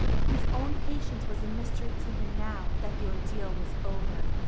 His own patience was a mystery to him now that the ordeal was over.